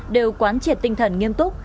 đều quán triệt tinh thần nghiêm túc